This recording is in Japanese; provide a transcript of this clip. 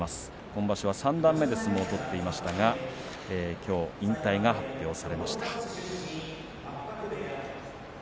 今場所は三段目で相撲を取っていましたがきょう引退が発表されました。